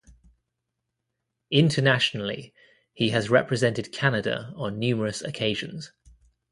Internationally, he has represented Canada on numerous occasions.